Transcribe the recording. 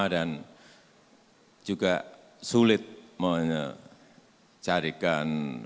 dan juga sulit mencarikan